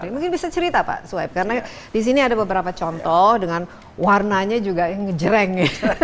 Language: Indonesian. mungkin bisa cerita pak swaib karena di sini ada beberapa contoh dengan warnanya juga ngejreng